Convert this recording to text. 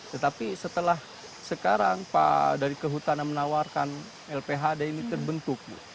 tetapi setelah sekarang pak dari kehutanan menawarkan lphd ini terbentuk bu